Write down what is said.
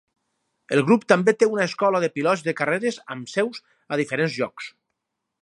El grup també té una escola de pilots de carreres amb seus a diferents llocs.